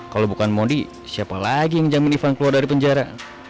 kalau bukan modi siapa lagi yang jamin ivan keluar dari penjara